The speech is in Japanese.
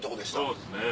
そうですね。